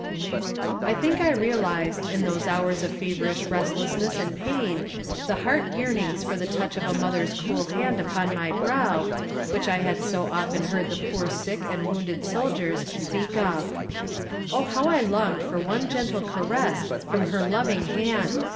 I think I realized, in those hours of feverish restlessness and pain, the heart yearnings for the touch of a mother's cool hand upon my brow, which I had so often heard the poor sick and wounded soldiers speak of. Oh how I longed for one gentle caress from her loving hand!